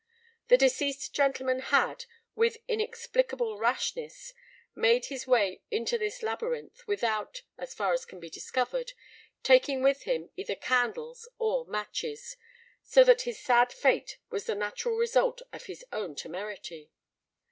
The deceased gentleman had, with inexplicable rashness, made his way into this labyrinth without, as far as can be discovered, taking with him either candles or matches, so that his sad fate was the natural result of his own temerity.